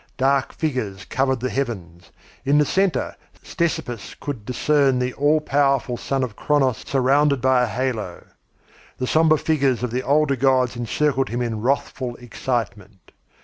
Dark figures covered the heavens. In the centre Ctesippus could discern the all powerful son of Cronos surrounded by a halo. The sombre figures of the older gods encircled him in wrathful excitement.